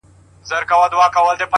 کله مسجد کي گډ يم کله درمسال ته گډ يم’